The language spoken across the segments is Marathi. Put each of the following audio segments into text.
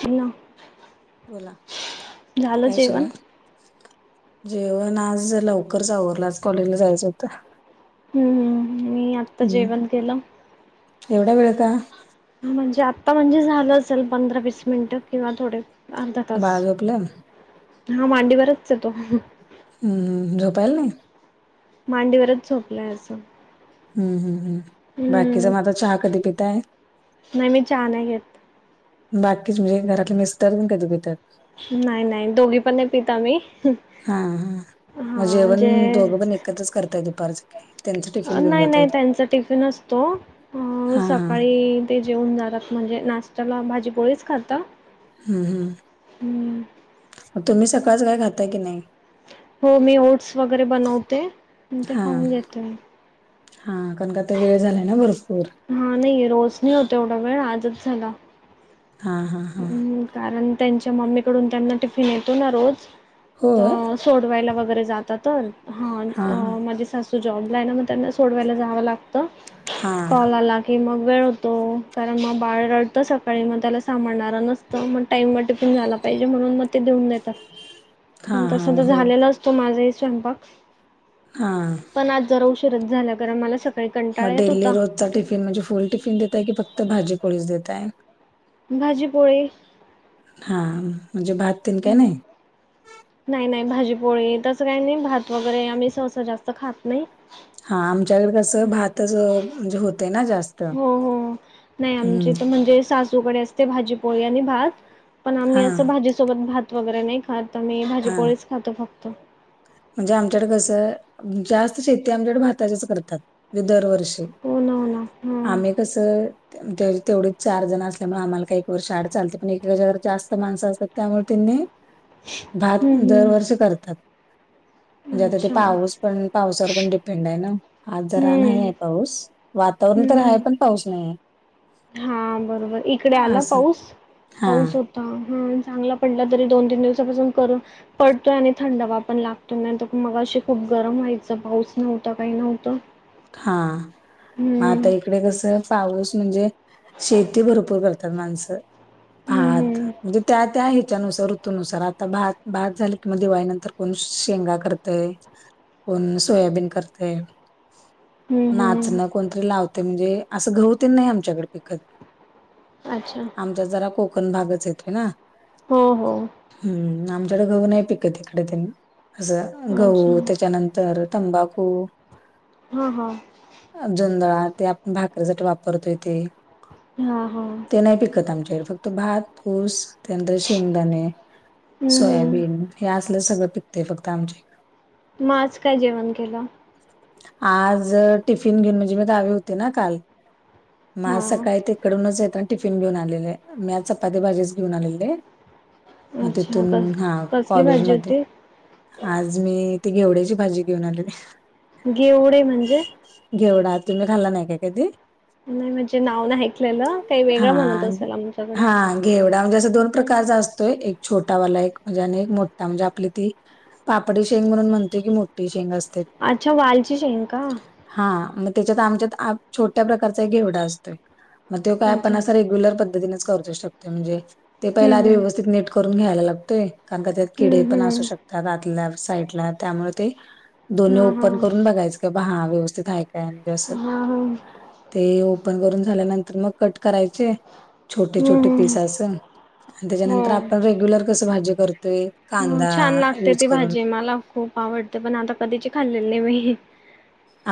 हॅलो. बोला, काय सुरूय? जेवण आज लवकरच आवरलं, आज कॉलेजला जायचं होत. हम्म हम् मी आत्ता हम्म जेवण केलं. एवढा वेळ का [inaudible] ह म्हणजे आता म्हणजे झालं असेल पंधरा, वीस मिनिटं किंवा थोड अर्धा तास, बाळ झोपलं हा मांडीवरच हाय तो. हम्, झोपायल नाही? मांडीवरच झोपलंय अस. हम् हम्म हम्, बाकीच म आता चहा कधी पिताय? नाही मी चहा नाही घेत. बाकीच म्हणजे घरातले मिस्टर [unintelligible] कधी पित्यात? नाही नाही दोघी पण नाही पित आम्ही, हा म्हणजे खरचच करताय दुपारच? त्यांच टिफिन घेऊन नाही नाही जातायत त्यांचा टिफिन असतो अं हा हा सकाळी ते जेवून जातात, म्हणजे नाश्त्याला भाजी पोळीच खाता. हम्म हम्म, हम्म म तुम्ही सकाळचं काय खाताय की नाही? हो मी ओट्स वगैरे बनवते अन् ते हा खाऊन घेते. हा कारण का आता वेळ झालाय ना भरपूर. हा नाही रोज नाही होत एवढा वेळ आजच झाला. हा हा. हा हम कारण त्यांच्या मम्मीकडून त्यांना टिफिन येतो ना रोज होय तर सोडवायला वगैरे जात तर हा अं माझे सासू [unintelligible] त्यांना सोडवायलाव जाव लागत हा कॉल आला की मग वेळ होतो कारण म बाळ रडतं सकाळी मग त्याला स सांभळणारा नसतं म टाइमवर टिफीन झाला पाहिजे म्हणून मग ते देऊन जा ता, हा पण हा तस तर हो झालेला असतो माझे स्वयंपाक. हा, पण आज जरा उशीरच झाला कराण मला स मग डेली रोजचा टिफिन म्हणजे फुल टिफिन देतय की फक्त भाजी पोळीच देताय? भाजीपोळी. हा म्हणजे भात तेन काय नाही. नाही नाही भाजीपोळी तसं काय नाही भात वगैरे आम्ही सहसा जास्त खात नाही. हा आमच्याकडे कसं भातच म्हणजे होते ना जास्त. हो हो, नाही आमच्या हम्म इथे म्हणजे सासूकडे असते भाजीपोळी आणि भात पण आम्ही हा असं भाजीसोबत भात वगैरे नाही खात आम्ही हा भाजीपोळीच खातो फक्त. म्हणजे आमच्याकडे कसं जास्त शेती आमच्याकडे भाताचीच करतात म्हणजे दरवर्ष षी, हो ना हो ना हम्म आम्ही कसं दर तेवढं चार जण असल्यामुळे आम्हाला काही वर्ष आड चालते पण एका वेळी जास्त माणसं असतात त्यामुळे त्यांनी भात हम्म दरवर्षी करतात. म्हणजे हम्म आता ते अच्छा हम्म. पाऊस पण पावसावर पण डिपेंड आहे ना आज जरा नाही हम्म आहे पाऊस. वातावरण तर आहे हम्म पण पाऊस नाहीये. हा बरोबर इकडे आला असं पाऊस, हा पाऊस होता हा चांगला पडला तरी दोन-तीन दिवसापासून करून पडतोय आणि थंडवा पण लागतो, नाही तर मगाशी खूप गरम व्हायचं पाऊस नव्हता काही नव्हतं. हा मग आता हम्म. इकड कसं पाऊस म्हणजे शेती भरपूर तर माणसं हं, भात हं. म्हणजे त्या-त्याह्याच्या नुसार ऋतूनुसार आता भात-भात झाले किंवा दिवाळीनंतर कोण शेंगा कर तय, कोण सोयाबीन करतेय, हं, हं. नाचण कोणतरी लावते म्हणजे असं गहूतेन नाही आमच्याकडे पिकत. अच्छा [inaudible] आमच्यात जरा कोकण भागच येतय ना. हो हो. हम्म आमच्याकडे गहू नाही पिकत हिकडंतिन असं अच्छा. गहू त्याच्यानंतर. तर तंबाकू. हा- हा. जुंंदळा ते आपण भाकरीेसाठी वापरतोय ते. हा हा. ते नाही पिकत आमच्याकडे फक्त भात, ऊस, त्यानंतर शेंगदाणे, हं, हं. सोयाबीन. हे असलं सगळं पिकते फक्त आमचे. मग आज काय जेवण केलं? आज टिफिन घेऊन म्हणजे मी गावी होते ना काल मग आज हां. सकाळी ते. इकडूनचेतना टिफिन घेऊन आलेले. मी आज चपाती भाजीच घेऊन आलेलं. मग अच्छा. तिथून क हा कसली भाजी कॉलेजमध्ये. होती? आज मी ती घेवड्याची भाजी घेऊन आलेले. घेवडे म्हणजे? घेवडा तुम्ही खाल्ला नाही का कधी? नाही म्हणजे नाव नाही ऐकलेलं काही वेगळं म्हणत हा. असेल माझ्याकडे. हा घेवडा म्हणजे असं दोन प्रकारचा असतोय एक छोटा वाला एक म्हणजे आणि एक मोठा म्हणजे आपली ती. पापडी शेंग म्हणून म्हणतोय की मोठी शेंग असतेय. अच्छा वालची शेंग का? हा मग त्याच्यात आमच्यात छोट्या प्रकारचा एक घेवढा असतोय. मग तेव काय, अच्छा. आपण अस रेग्युलर पद्धतीनेच करतोय शकतोय म्हणजे ते हं, पहिला आधी हं. व्यवस्थित नीट. करून घ्यायला लागतोय कारण त्या त्यात हं, किडे पण असू हं. शकतात आातल्या साईडला त्यामुळे ते. दोन्ही हां, ओपन हां. करून बघायचं का बा हा व्यवस्थित आहे काय म्हणजे असं. हां, हां. ते ओपन करून झाल्यानंतर मग कट करायचे छोटे- हं, छोटे पीस हं. असं. आणि त्याच्यानंतर हो. आपण रेग्युलर कसं भाजी करतोय. हो कांदा छान लागते यूज ती करून भाजी मला खूप आवडते पण आता कधीची खाल्लेली नाही मी.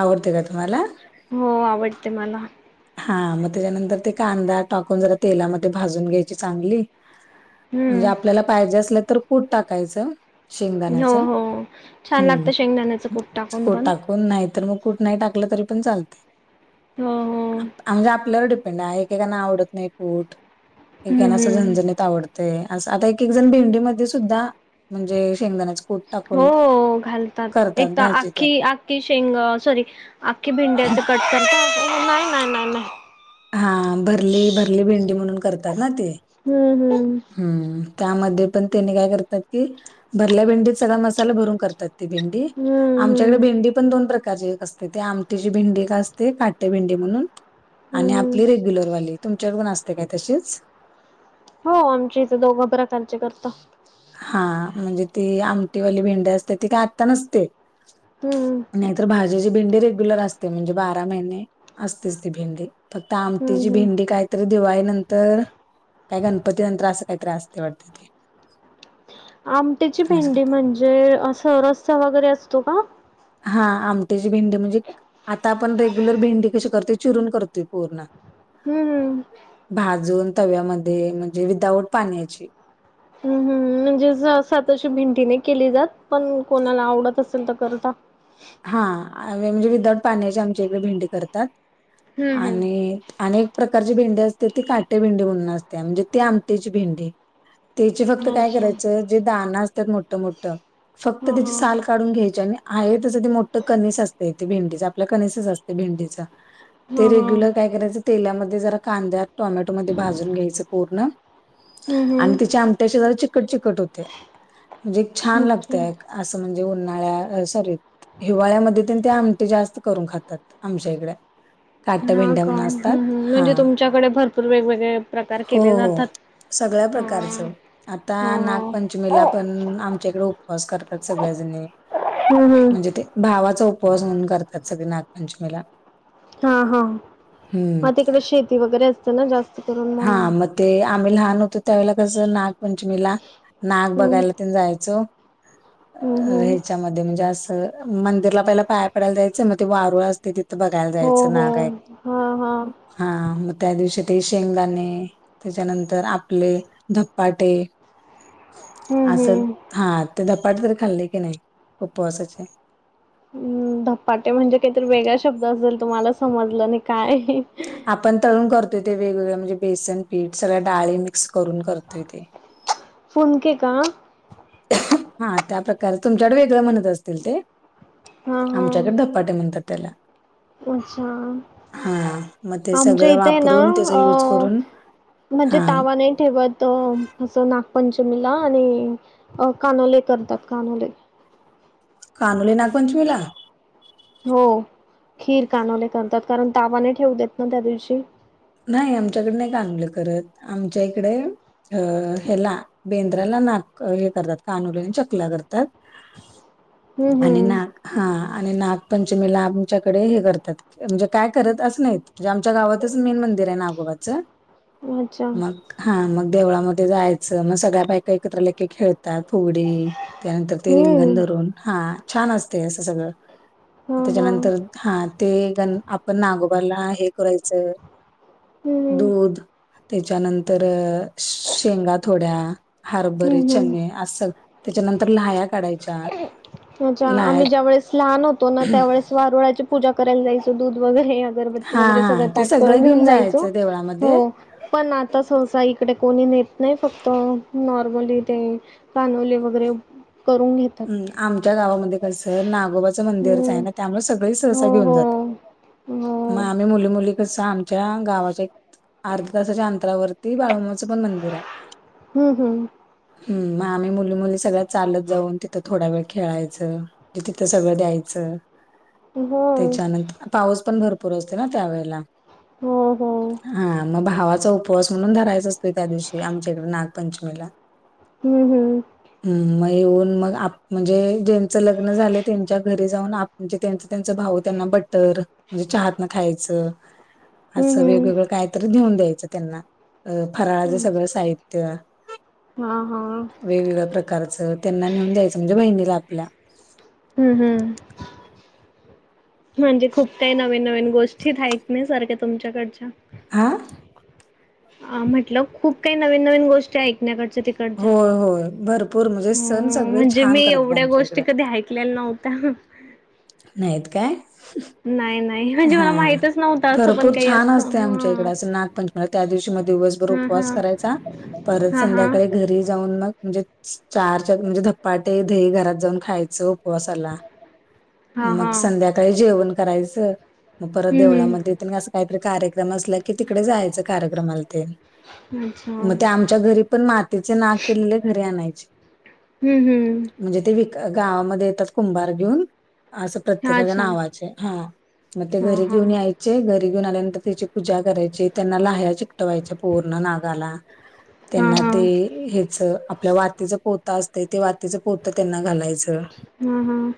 आवडते का तुम्हाला. हो आवडते मला. हा मग त्याच्यानंतर ते कांदा टाकून जरा तेलामध्ये भाजून घ्यायची चांगली. हम्म. म्हणजे आपल्याला पाहिजे असल्या तर कुठ टाकायचं. हो शेंगदाण्याच हो. छान हम्. लागतं शेंगदाण्याचं कूट [inaudible] टाकून पण कोण नाही तर मग कुठ नाही टाकलं तरी पण चालते. हो हो म्हणजे आपल्यावर डिपेंड आहे एकेकना आवडत नाही कूट [inaudible] हम्म अस हम्म. झनझणीत आवडत. ते अस आता एक एक जण भेंडीमध्ये सुद्धा म्हणजे शेंगदाण्याच. कूट टाकून हो घालतात एक करतात तर भाजी ते आखी आखखी शेंग सॉरी. आख्खी भिंड्याचं [inaudible] हा भरली भरली भेंडी म्हणून करतात ना ते. हम्म हम्म त्यामध्ये पण त्याने काय करतात कि भरल्या भेंडीत सगळा मसाला भरून करतात ते भेंडी. हम्म आमच्याकडे. हम्म भेंडी पण दोन प्रकारची एक असते ते आमटेची भिंडी एक असते काटे भेंडी म्हणून. आणि हम्म हम्म. आपली रेग्युलरवाली तुमच्याकडून असते काय तशीच. हो आमच्या इथे दोघा बरा [unintelligible] करतो. हा म्हणजे ती आमटीवाली भेंडे असते ती काय आत्ता नसते. हम्म नाहीतर भा जी जी भिंडी रेग्युलर असते म्हणजे बारा महिने असतेच ती भिंडी फक्त हम्म आमटीची हम्म. भेंडी काय तर दिवाळी नंतर काय गणपती नंतर असं काही त्रास ते वाटत ते आमटेची भेंडी म्हणजे सरस्ता वगैरे असतो का? हा आमट्याची भेंडी म्हणजे आता आपण रेग्युलर भेंडी कशी करतोय चिरून करतोय पूर्ण. हम्म.... भाजून तव्यामध्ये म्हणजे विदाउट पाण्याची. हम्म हम्म म्हणजे सातशी भिंडी नाही केली जात पण कोणाला आवडत असेल तर करता हा म्हणजे विदाऊट पाण्याची आमची एकडे भेंडी करतात हम्म हम्म. आणि अनेक प्रकारची भेंडी असते ती काटे भिंडी म्हणून असते म्हणजे ती आमटची भिंडी त्याचे फक्त काय अच्छा करायचं जे दाणं असतात मोठ मोठं फक्त हा त्याची हा साल काढून घ्यायचे आणि आहे तसं ते मोठ कनिस असते ते भेंडीचा आपल्या कनसच असते भेंडीचा हा ते हा रेग्युलर काय करायचं तेलामध्ये जरा कांद्यात टोमॅटोमध्ये भाजून घ्यायचं पूर्ण. हम्म आणि हम्म तिच्या आमट्याशी जरा चिकट चिकट होते म्हणजे छान ओके. लागते एक. असं म्हणजे उन्हाळ्या सॉरी हिवाळ्यामध्ये ते आमटे जास्त करून खातात आमच्या इकड. हा का हम्म हम्म हा म्हणजे तुमच्याकडे भरपूर वेगवेगळे प्रकार हो केले जातात. हो सगळ्या हा प्रकारचं आता हो हो नागपंचमीला पण आमच्याकडे उपवास करतात सगळ्याजणी हम्म हम्म. म्हणजे ते भावाचा उपवास म्हणून करतात सगळे नागपंचमीला. हा हा हम्म मग तिकडे शेती वगैरे असतें ना जास्त करून ना हा म्ह मग ते आम्ही लहान होतो त्यावेेला कसं नागपंचमीला नाग हम्म बघायला ते जायचो. हम्म अ हम्म ह्याच्यामध्ये म्हणजे असं मंदिरला पहिलं पाया पडायला जायचं मग ते वारूळ असते तिथ बघायला हो जायच हो नागय हा मग त्या दिवशी ते शेंगदाणे त्याच्यानंतर आपले धप्पाटे.... हम्म असं हम्म. हा ते धपाट तरी खाल्ले की नाही उपवासाचे हम्म धपाटे म्हणजे काहीतरी वेगळा शब्द असेल तुम्हाला समजलं नाही काय? आपण तळून करतोय ते वेगवेगळ्या म्हणजे बेसन पीठ सगळ्या डाळे मिक्स करून करतोय ते. फुन केे का हा त्या प्रकार तुमच्याकडे वेगळं म्हणत असतील ते हा हा आमच्याकडे धपाटे म्हणतात त्याला अच्छा हा मग ते आमच्या सगळं इथे ये ना वापरून त्याचा अ युज करून म्हणजे हा तावा नाही ठेवत असं नागपंचमीला आणि अ कानोले करतात कानोले कनोळे नागपंचमीला हो खीर कानवले करतात कारण तावाने ठेवू देत ना त्या दिवशी नाही आमच्याकडे नाही कानवले करत आमच्या इकडे अ ह्याला बेंद्राला नाक हे करतात कानोलीने चकला करतात हम्म आणि हम्म. नाक हा आणि नागपंचमीला आमच्याकडे हे करतात म्हणजे काय करत अस नाहीत म्हणजे आमच्या गावात मेन मंदिर आहे नागोबाच. अच्छा मग, हा मग देवळामध्ये जायचं मग सगळ्या बायका एकत्र लेखे खेळ त्या फुगडी त्यानंतर ते रिंगण हम्म धरून हा छान असते असं सगळं हा हा हम्म त्याच्यानंतर हा ते गण आपण नागोबाला हे करायचं हम्म दूध त्याच्यानंतर शेंगा थोड्या हरभरे, हम्म हम्म. चणे आहे अस त्याच्यानंतर लाह्या काढायच्या अच्छा लाह्या आम्ही ज्यावेेळेस लहान होतो ना त्यावेळेस वारुळाची पूजा करायला जायचो दूध वगैरे अगरबत्ती हा वगैरे सगळं हा ते ताट करून घेऊन जायचो जायचं देवळामध्ये हो पण आता सहसा इकडे कोणी नेत नाही फक्त नॉर्मली ते कानोले वगैरे करून घेत हम् आमच्या गावामध्ये कसं नागोबाचं मंदिरच आहे हम्म ना त्यामुळे सगळे सहसा हो घेऊन जातात हो मग हो आम्ही मुली मुली कस आमच्या गावाच्या एक अर्ध्या तासाच्या अंतरावरती बाळूमामाचं पण मंदिर आहे हम्म हम्.. हम.. ही मुली मुली सगळ्या चालत जाऊन थ थोडा वेळ खेळायचं म्हणजे तिथं सगळं द्यायचं हो त्याच्यानंतर पाऊस पण भरपूर असते ना त्यावेेळेला हो हो हा मग भावाचा उपवास म्हणून धरायचा असतो त्या दिवशी आमच्या इकडे नागपंचमीला हम्म हम्.. ह मग येऊन मग आप म्हणजे ज्यांचं लग्न झाले त्यांच्या घरी जाऊन म्हणजे त्यांच त्यांच भाऊ त्यांना बटर म्हणजे चहातनं खायचं असं हम्म वेगवेगळं कायतरी घेऊन द्यायचं त्यांना अ फराळाचं हम्म सगळं साहित्य हा हा वेगवेगळ्या प्रकार कारण त्यांना नेऊन द्यायचं म्हणजे बहिणीला आपल्या हम्म हम् म्हणजे खूप काही नवीन नवीन गोष्टी [inaudible] नाही सारख्या तुमच्याकडच्या हा.. ह म्हटलं खूप काही नवीन नवीन गोष्टी ऐकण्याकडच्या तिथ होय होय भरपूर म्हणजे सण सगळे म्हणजे छान मी करतात एवढ्या आमच्या गोष्टी इकडे कधी ऐकलेल्या नव्हत्या नाहीत काय? नाही नाही म्हणजे हा मला माहितच नव्हतं असं पण भरपूर काही छान असतं. असते.. आमच्या इकडे हां. असं नागपंचमीला त्या दिवशी म दिवसभर हां, उपवास हां. करायचा परत हां, हां. संध्याकाळी घरी जाऊन मग म्हणजे चार चार म्हणजे धपाटे दही घरात जाऊन खायचं उपवासाला हां, मग हां. संध्याकाळी जेवण करायचं मग परत हं, देवळामध्ये हं. अस काहीतरी कार्यक्रम असला की तिकडे जायच कार्यक्रमाला ते अच्छा. मग ते आमच्या घरी पण मातीचे ना केलेले घरी आणायचे हम्म हम्.. म्हणजे ते विक गावामध्ये येतात कुंभार घेऊन असं प्रत्येकाच्या अच्छा. नावाचे हा मग ते हां, घरी हां. घेऊन याय चे घरी घेऊन आल्यानंतर, त्याची पूजा करायची. त्यांना लाह्या चिकटवायच्या पूर्ण नागाला [inaudible] त्यांना ते हां. हेच आपल्या वा वातीचा पोत असते ते वातीचं पोत त्यांना घालायचं हम हम..